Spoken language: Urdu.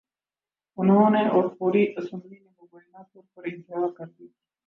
انہوں نے اور پوری اسمبلی نے مبینہ طور پر انتہا کر دی تھی۔